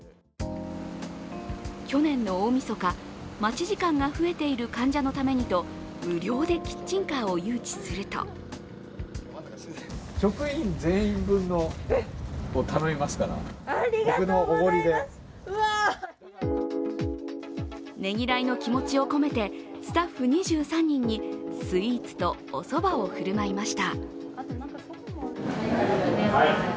去年の大みそか、待ち時間が増えている患者のためにと無料でキッチンカーを誘致するとねぎらいの気持ちを込めてスタッフ２３人にスイーツとおそばを振る舞いました。